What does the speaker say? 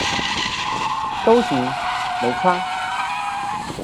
都行，沒差